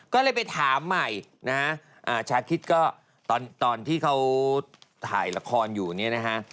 ก็เลยไปถามใหม่นะฮะชาคิดก็ตอนที่เขาถ่ายละครอยู่เนี่ยนะฮะ